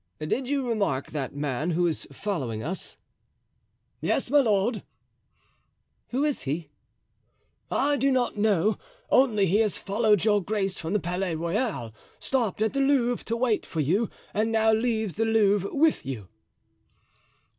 "Did you remark that man who is following us?" "Yes, my lord." "Who is he?" "I do not know, only he has followed your grace from the Palais Royal, stopped at the Louvre to wait for you, and now leaves the Louvre with you."